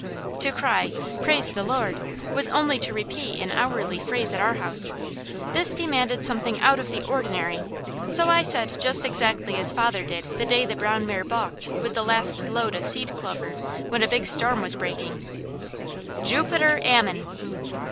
To cry, "Praise the Lord!" was only to repeat an hourly phrase at our house; this demanded something out of the ordinary, so I said just exactly as father did the day the brown mare balked with the last load of seed clover, when a big storm was breaking "Jupiter Ammon!"